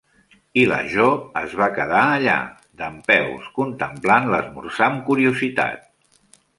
I la Jo es va quedar allà, dempeus, contemplant l'esmorzar amb curiositat.